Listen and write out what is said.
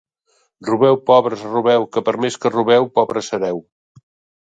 Robeu, pobres, robeu, que per més que robeu, pobres sereu.